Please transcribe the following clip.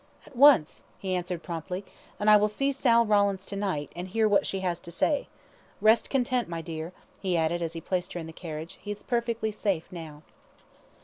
"At once," he answered promptly. "And I will see Sal Rawlins to night, and hear what she has to say. Rest content, my dear," he added, as he placed her in the carriage, "he is perfectly safe now."